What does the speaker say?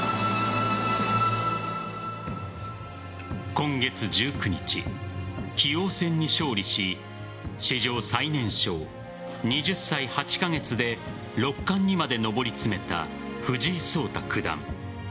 今月１９日、棋王戦に勝利し史上最年少２０歳８カ月で六冠にまで上り詰めた藤井聡太九段。